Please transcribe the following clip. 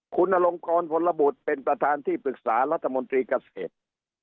คุณอลงกรพลบุตรเป็นประธานที่ปรึกษารัฐมนตรีเกษตร